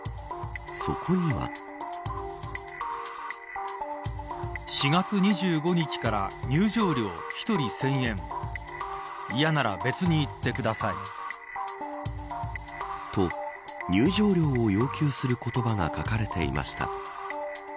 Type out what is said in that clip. そこには。と、入場料を要求する言葉が書かれていました。